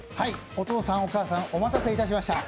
お父さん、お母さん、お待たせいたしました。